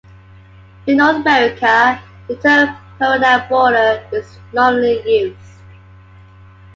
In North America, the term perennial border is normally used.